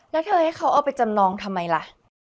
แล้วเธอให้เขาเอาไปจำนองทำไมล่ะ